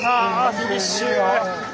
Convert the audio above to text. フィニッシュ。